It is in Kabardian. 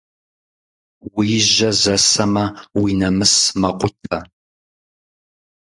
Уи жьэ зэсэмэ, уи нэмыс мэкъутэ.